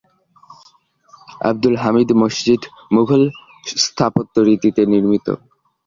আবদুল হামিদ মসজিদ মুগল স্থাপত্যরীতিতে নির্মিত।